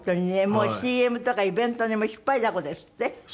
もうＣＭとかイベントでも引っ張りだこですって？